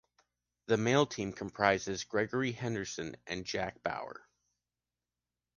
The male team comprises Gregory Henderson and Jack Bauer.